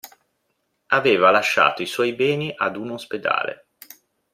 Aveva lasciato i suoi beni ad un ospedale.